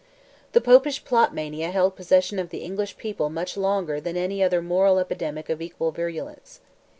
The Popish plot mania held possession of the English people much longer than any other moral epidemic of equal virulence.